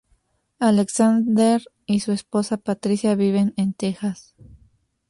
Alexander Y su esposa, Patricia, viven en Texas.